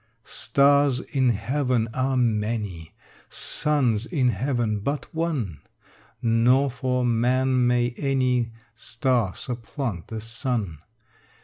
Stars in heaven are many, Suns in heaven but one: Nor for man may any Star supplant the sun.